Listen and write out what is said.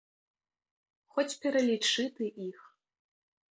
Хоць пералічы ты іх.